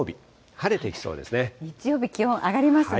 日曜日、気温上がりますね。